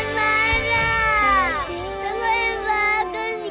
saya yakin itu semua palsu